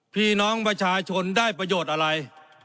พี่น้องประชาชนได้ประโยชน์อะไร